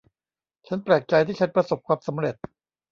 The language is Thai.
ฉันแปลกใจที่ฉันประสบความสำเร็จ